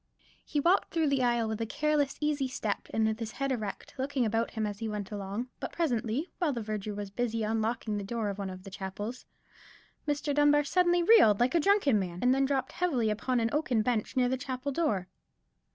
He walked through the aisle with a careless easy step, and with his head erect, looking about him as he went along: but presently, while the verger was busy unlocking the door of one of the chapels, Mr. Dunbar suddenly reeled like a drunken man, and then dropped heavily upon an oaken bench near the chapel door.